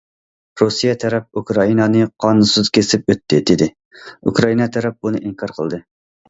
رۇسىيە تەرەپ ئۇكرائىنانى« قانۇنسىز كېسىپ ئۆتتى»، دېدى، ئۇكرائىنا تەرەپ بۇنى ئىنكار قىلدى.